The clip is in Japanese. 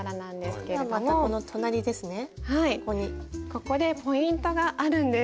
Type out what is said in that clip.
ここでポイントがあるんです。